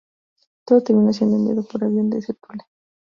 Todo terminó siendo enviado por avión desde Thule.